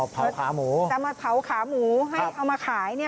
เผาขาหมูจะมาเผาขาหมูให้เอามาขาย